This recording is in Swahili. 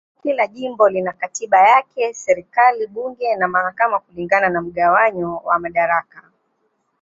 Kila jimbo lina katiba yake, serikali, bunge na mahakama kulingana na mgawanyo wa madaraka.